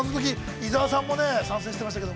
伊沢さんも参戦していましたけど。